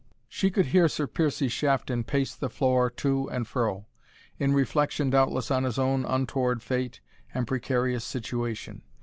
She could hear Sir Piercie Shafton pace the floor to and fro, in reflection doubtless on his own untoward fate and precarious situation.